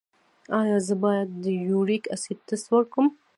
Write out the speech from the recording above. ایا زه باید د یوریک اسید ټسټ وکړم؟